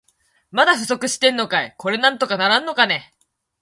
まだ不足してんのかい。これなんとかならんのかね。